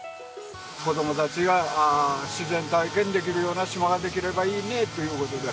子どもたちが自然体験できるような島ができればいいねっていう事で。